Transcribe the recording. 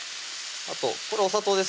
あとこれお砂糖です